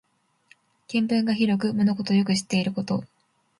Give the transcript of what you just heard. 見聞が広く物事をよく知っていること。